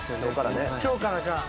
今日からね。